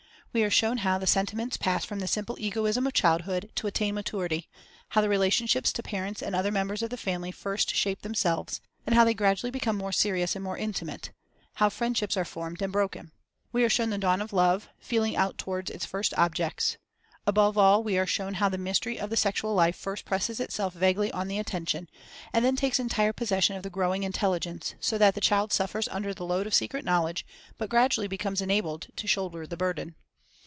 We are shown how the sentiments pass from the simple egoism of childhood to attain maturity; how the relationships to parents and other members of the family first shape themselves, and how they gradually become more serious and more intimate; how friendships are formed and broken. We are shown the dawn of love, feeling out towards its first objects. Above all, we are shown how the mystery of the sexual life first presses itself vaguely on the attention, and then takes entire possession of the growing intelligence, so that the child suffers under the load of secret knowledge but gradually becomes enabled to shoulder the burden.